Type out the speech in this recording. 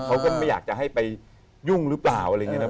เขาก็ไม่อยากจะให้ไปยุ่งหรือเปล่าอะไรอย่างนี้นะ